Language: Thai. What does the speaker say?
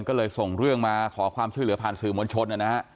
ก็เลยส่งเรื่องมาขอความช่วยเหลือผ่านสื่อมวลชนนะฮะ